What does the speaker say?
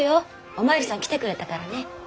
お巡りさん来てくれたからね。